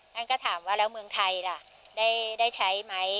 ท่านก็ถามว่าแล้วเมืองไทยล่ะได้ใช้ไหม